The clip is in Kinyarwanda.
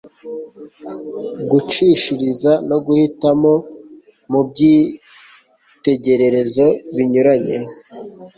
gucishiriza no guhitamo mu byitegererezo binyuranye